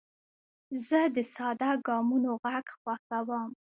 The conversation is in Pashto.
زه د ساده ګامونو غږ خوښوم.